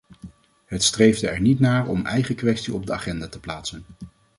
Het streefde er niet naar om eigen kwesties op de agenda te plaatsen.